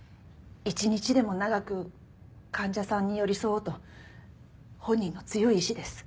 一日でも長く患者さんに寄り添おうと本人の強い意志です。